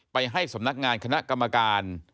ไปให้สำนักงานคณะกรรมการ